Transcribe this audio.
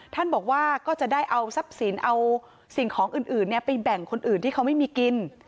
ท่านบอกว่าก็จะได้เอาทรัพย์สินเอาสิ่งของอื่นไปแบ่งคนอื่นที่เขาไม่มีกิน